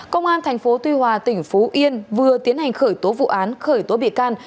công an tp tuy hòa tỉnh phú yên vừa tiến hành khởi tố vụ án khởi tố bị can